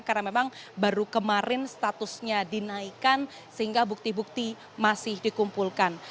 karena memang baru kemarin statusnya dinaikan sehingga bukti bukti masih dikumpulkan